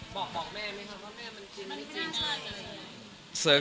บอกบอกแม่ไหมครับว่าแม่มันจริงเชื่ออะไร